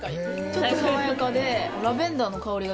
ちょっと爽やかで。